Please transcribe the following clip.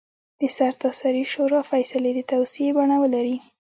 د سرتاسري شورا فیصلې د توصیې بڼه ولري.